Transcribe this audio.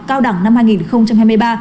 cao đẳng năm hai nghìn hai mươi ba